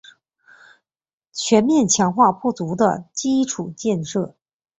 全面强化不足的基础建设